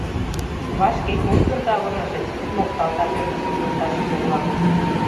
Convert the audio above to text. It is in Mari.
— Вашке коштын савырнышыч, — мокталтат Эдикым йолташыже-влак.